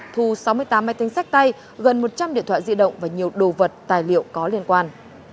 thu sáu mươi tám máy tính sách tay gần một trăm linh điện thoại di động và nhiều đồ vật tài liệu có liên quan